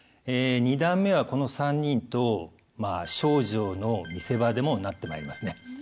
二段目はこの３人と丞相の見せ場でもなってまいりますね。